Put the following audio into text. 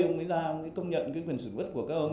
ông ấy ra công nhận cái quyền sử dụng đất của các